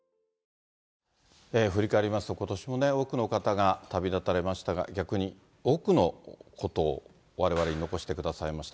振り返りますと、ことしもね、多くの方が旅立たれましたが、逆に多くのことを、われわれに残してくださいました。